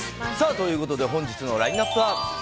ということで本日のラインアップは。